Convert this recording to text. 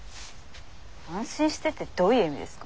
安心してってどういう意味ですか？